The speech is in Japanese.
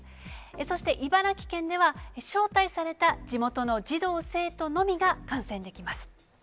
そして茨城県では、招待された地元の児童・生徒のみが観戦できます。